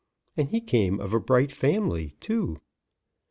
And he came of a bright family, too.